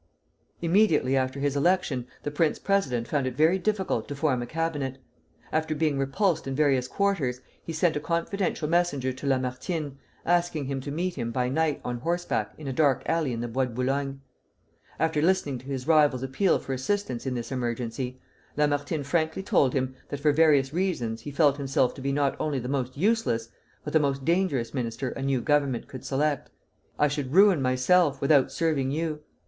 Immediately after his election the prince president found it very difficult to form a cabinet. After being repulsed in various quarters, he sent a confidential messenger to Lamartine, asking him to meet him by night on horseback in a dark alley in the Bois de Boulogne. After listening to his rival's appeal for assistance in this emergency, Lamartine frankly told him that for various reasons he felt himself to be not only the most useless, but the most dangerous minister a new Government could select. He said, "I should ruin myself without serving you."